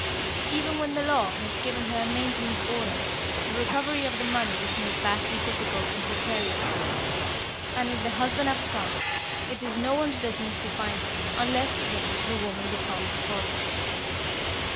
Even when the law has given her a maintenance order, the recovery of the money is made vastly difficult and precarious, and if the husband absconds, it is no one's business to find him, unless, again, the woman becomes a pauper.